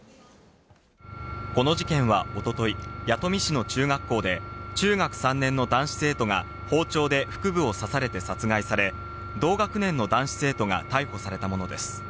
この事件は一昨日、弥富市の中学校で中学３年の男子生徒が包丁で腹部を刺されて殺害され、同学年の男子生徒が逮捕されたものです。